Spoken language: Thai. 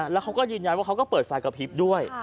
แล้วเขาก็ยืนยันว่าเขาก็เปิดไฟกระพริบด้วย